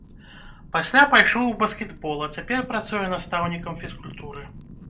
Пасля пайшоў у баскетбол, а цяпер працуе настаўнікам фізкультуры.